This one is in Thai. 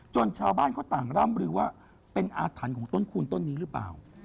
ชาวบ้านเขาต่างร่ำลือว่าเป็นอาถรรพ์ของต้นคูณต้นนี้หรือเปล่า